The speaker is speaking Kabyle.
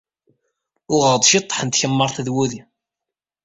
Uɣeɣ-d ciṭṭaḥ n tkemmart d wudi.